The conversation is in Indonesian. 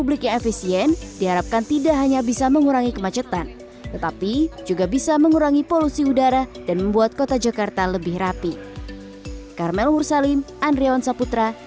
lrt tahap tujuh